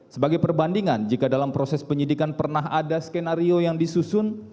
sebagai perbandingan jika dalam proses penyidikan pernah ada skenario yang disusun